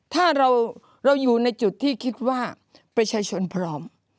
ถ้าเราอยู่ในจุดที่คิดว่าประชาชนพร้อม